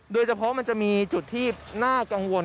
โดยเฉพาะมันจะมีจุดที่น่ากังวล